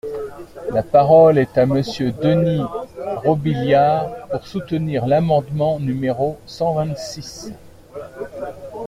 La parole est à Monsieur Denys Robiliard, pour soutenir l’amendement numéro cent vingt-six.